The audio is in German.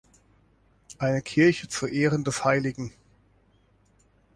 Eine Kirche zu Ehren des hl.